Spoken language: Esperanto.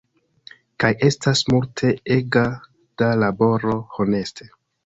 Kaj estas multe ega da laboro, honeste.